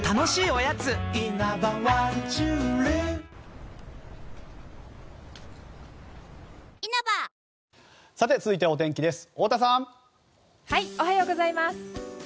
おはようございます。